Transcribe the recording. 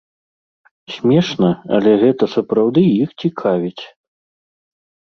Смешна, але гэта сапраўды іх цікавіць.